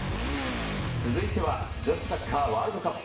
続いては、女子サッカーワールドカップ。